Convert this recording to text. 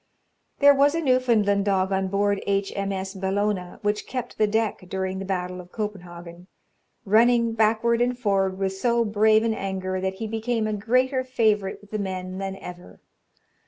There was a Newfoundland dog on board H. M. S. Bellona, which kept the deck during the battle of Copenhagen, running backward and forward with so brave an anger, that he became a greater favourite with the men than ever.